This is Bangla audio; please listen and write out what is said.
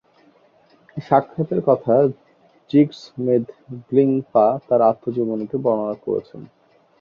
এই সাক্ষাতের কথা 'জিগ্স-মেদ-গ্লিং-পা তার আত্মজীবনীতে বর্ণনা করেছেন।